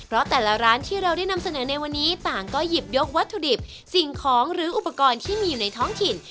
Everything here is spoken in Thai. เพราะแต่ละร้านที่เราได้นำเสนอในวันนี้ต่างก็หยิบยกวัตถุดิบสิ่งของหรืออุปกรณ์ที่มีอยู่ในท้องถิ่น